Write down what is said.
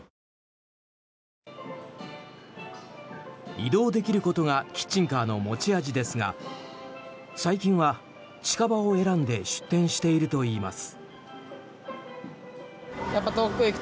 移動できることがキッチンカーの持ち味ですが最近は近場を選んで出店しているといいます。